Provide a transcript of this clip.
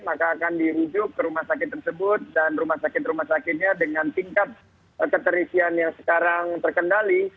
maka akan dirujuk ke rumah sakit tersebut dan rumah sakit rumah sakitnya dengan tingkat keterisian yang sekarang terkendali